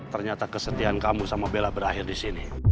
ternyata kesetiaan kamu sama bella berakhir di sini